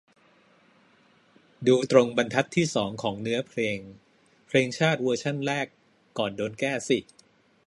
ดูตรงบรรทัดที่สองของเนื้อเพลงเพลงชาติเวอร์ชั่นแรกก่อนโดนแก้สิ